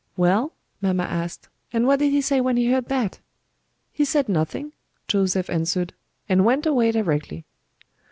'Well?' mamma asked, 'and what did he say when he heard that?' 'He said nothing,' Joseph answered, 'and went away directly.'"